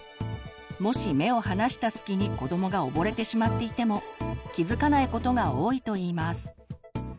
もし目を離した隙に子どもが溺れてしまっていても気付かないことが多いといいます。